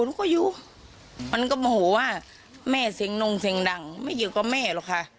ลูกก็อยู่มันก็โมโหว่าแม่เสียงนงเสียงดังไม่อยู่กับแม่หรอกค่ะ